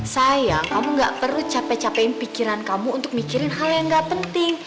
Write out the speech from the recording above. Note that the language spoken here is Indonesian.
sayang kamu gak perlu capek capekin pikiran kamu untuk mikirin hal yang gak penting